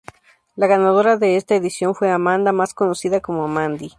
La ganadora de esta edición fue Amanda, más conocida como Mandy.